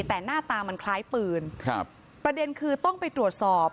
แต่หน้าตามันคล้ายปืนครับประเด็นคือต้องไปตรวจสอบ